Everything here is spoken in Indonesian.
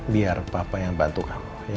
biar papa yang bantu kamu